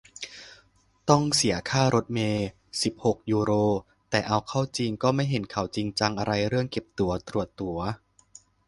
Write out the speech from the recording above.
ต้องเสียค่ารถเมล์ สิบหก ยูโร แต่เอาเข้าจริงก็ไม่เห็นเขาจริงจังอะไรเรื่องเก็บตั๋ว ตรวจตั๋ว